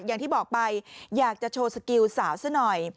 อย่างที่บอกไปอยากจะโชว์สกิลสาวซะหน่อย